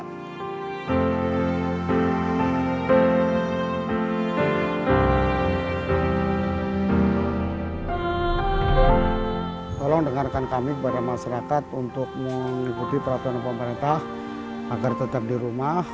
tolong dengarkan kami kepada masyarakat untuk mengikuti peraturan pemerintah agar tetap di rumah